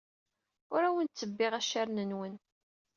Ur awen-ttebbiɣ accaren-nwen.